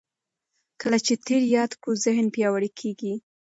کله چې تېر یاد کړو ذهن پیاوړی کېږي.